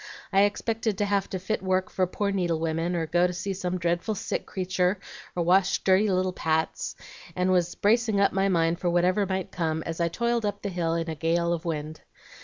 I expected to have to fit work for poor needlewomen, or go to see some dreadful sick creature, or wash dirty little Pats, and was bracing up my mind for whatever might come, as I toiled up the hill in a gale of wind.